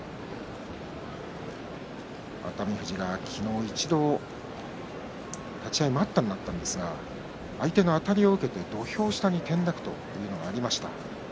熱海富士が昨日一度、立ち合い待ったになったんですが土俵下に転落というのがありました。